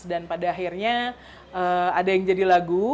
dan pada akhirnya ada yang jadi lagu